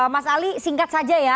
mas ali singkat saja ya